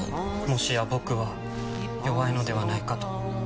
もしや僕は弱いのではないかと。